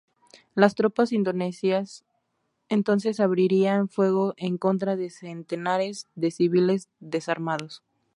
Las tropas indonesias entonces abrirían fuego en contra de centenares de civiles desarmados.